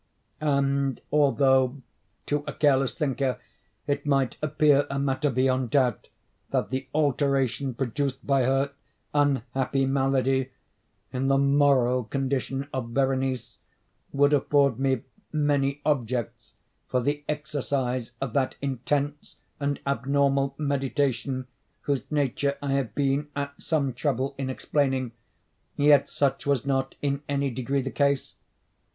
And although, to a careless thinker, it might appear a matter beyond doubt, that the alteration produced by her unhappy malady, in the moral condition of Berenice, would afford me many objects for the exercise of that intense and abnormal meditation whose nature I have been at some trouble in explaining, yet such was not in any degree the case.